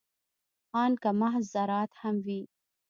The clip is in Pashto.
ان که محض زراعت هم وي.